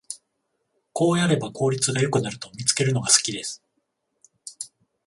こうやれば効率が良くなると見つけるのが好きです